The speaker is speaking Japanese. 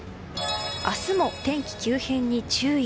明日も天気急変に注意。